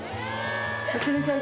初音ちゃん